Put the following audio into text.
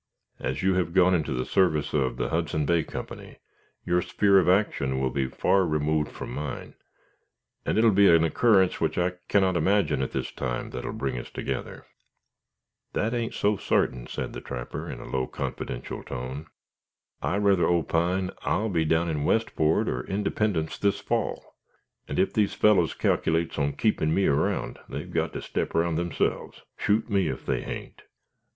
As you have gone into the service of the Hudson Bay Company, your sphere of action will be far removed from mine, and it will be an occurrence which I cannot imagine at this time that will bring us together." "That ain't so sartin," said the trapper, in a low, confidential tone. "I rather opine I'll be down in Westport or Independence this fall, and ef these fellows cac'lates on keepin' me around, they've got to step round 'emselves. Shoot me if they hain't, ogh!"